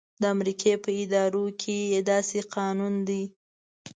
د امریکې په ادارو کې داسې قانون دی.